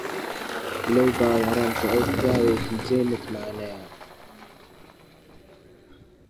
لەو باوەڕەم کە ئەو پیاوێکی جێی متمانەیە.